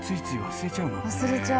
忘れちゃう。